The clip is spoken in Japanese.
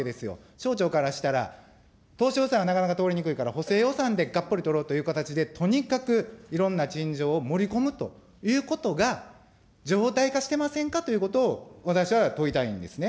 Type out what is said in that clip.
省庁からしたら、当初予算はなかなか通りにくいから、補正予算でがっぽり取ろうという形で、とにかくいろんな陳情を盛り込むということが、常態化してませんかということを、私は問いたいんですね。